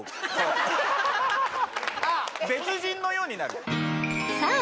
別人のようになるさあ